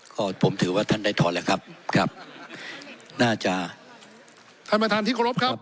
ก็ผมถือว่าท่านได้ถอนแล้วครับครับน่าจะท่านประธานที่เคารพครับ